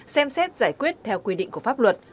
xem xét giải quyết theo quy định của pháp luật